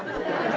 nggak mampu toh